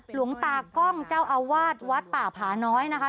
หลวงตากล้องเจ้าอาวาสวัดป่าผาน้อยนะคะ